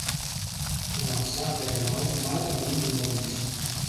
Començà a fer-me un mal de mil dimonis